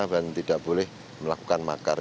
dan tidak boleh melakukan makar